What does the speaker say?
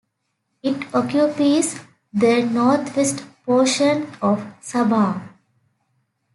It occupies the northwest portion of Sabah.